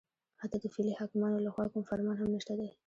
حتی د فعلي حاکمانو لخوا کوم فرمان هم نشته دی